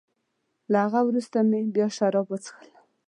له هغه وروسته مې بیا شراب وڅېښل.